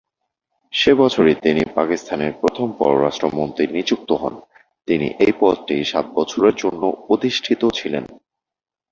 সে বছরই তিনি পাকিস্তানের প্রথম পররাষ্ট্রমন্ত্রী নিযুক্ত হন, তিনি এই পদটি সাত বছরের জন্য অধিষ্ঠিত ছিলেন।